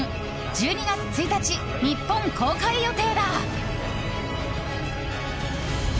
１２月１日、日本公開予定だ。